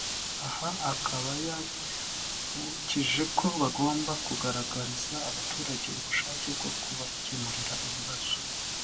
aha akaba yabibukije ko bagomba kugaragariza abaturage ubushake bwo kubakemurira ibibazo